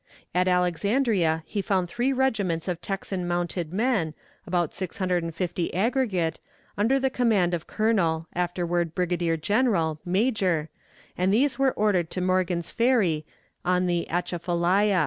At Alexandria he found three regiments of Texan mounted men, about six hundred and fifty aggregate, under the command of Colonel (afterward Brigadier General) Major, and these were ordered to Morgan's Ferry on the Atchafalaya.